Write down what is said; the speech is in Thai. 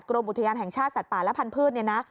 กรมอุทยานแห่งชาติสัตว์ป่าและพันธุ์เนี่ยนะ